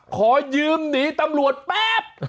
ขอยืมหนีตำรวจแป๊บ